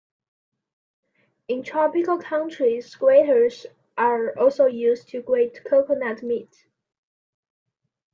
In tropical countries graters are also used to grate coconut meat.